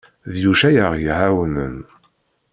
D Yuc ay aɣ-iɛawnen.